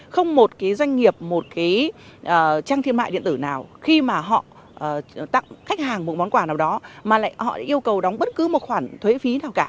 không một cái doanh nghiệp một cái trang thương mại điện tử nào khi mà họ tặng khách hàng một món quà nào đó mà lại họ yêu cầu đóng bất cứ một khoản thuế phí nào cả